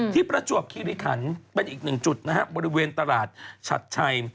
ประจวบคิริขันเป็นอีกหนึ่งจุดนะครับบริเวณตลาดชัดชัย